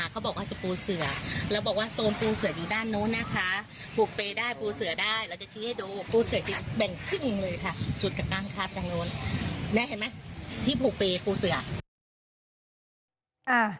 กับแม่ค้ากันหน่อยค่ะ